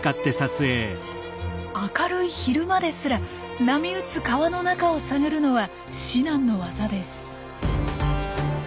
明るい昼間ですら波打つ川の中を探るのは至難の業です。